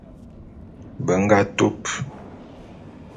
Be nga tup.